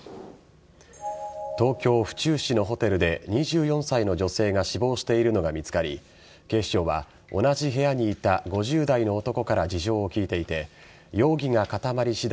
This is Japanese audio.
東京・府中市のホテルで２４歳の女性が死亡しているのが見つかり警視庁は同じ部屋にいた５０代の男から事情を聴いていて容疑が固まり次第